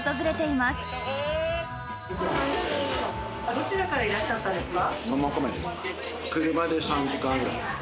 どちらからいらっしゃったんですか？